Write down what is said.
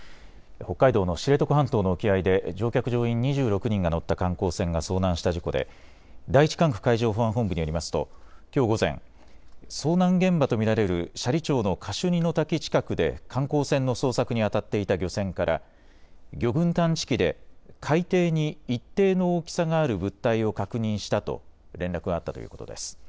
北海道の知床半島の沖合で乗客・乗員２６人が乗った観光船が遭難した事故で第１管区海上保安本部によりますときょう午前、遭難現場と見られる斜里町のカシュニの滝近くで観光船の捜索にあたっていた漁船から魚群探知機で海底に一定の大きさがある物体を確認したと連絡があったということです。